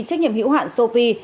trách nhiệm hữu hạn sopi